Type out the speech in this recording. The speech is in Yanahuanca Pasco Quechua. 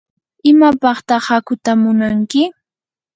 ¿imapataq hakuuta munanki?